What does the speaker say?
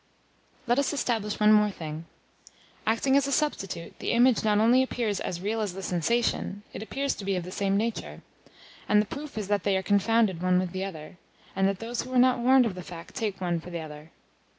Let us establish one thing more. Acting as a substitute, the image not only appears as real as the sensation, it appears to be of the same nature; and the proof is that they are confounded one with the other, and that those who are not warned of the fact take one for the other.